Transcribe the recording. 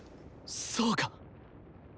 そうか。